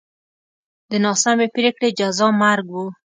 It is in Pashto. د ناسمې پرېکړې جزا مرګ و